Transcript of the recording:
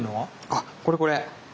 あこれこれ。